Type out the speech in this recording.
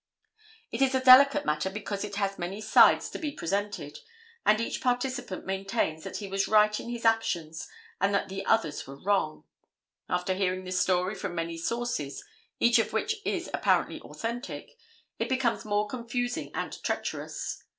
It is a delicate matter because it has many sides to be presented, and each participant maintains that he was right in his actions and that the others were wrong. After hearing the story from many sources, each of which is apparently authentic, it becomes more confusing and treacherous.